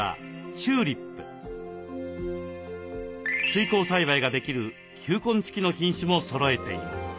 水耕栽培ができる球根付きの品種もそろえています。